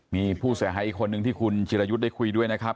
มีผู้เสียหายอีกคนนึงที่คุณจิรายุทธ์ได้คุยด้วยนะครับ